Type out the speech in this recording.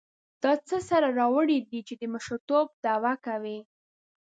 تا څه سر راوړی دی چې د مشرتوب دعوه کوې.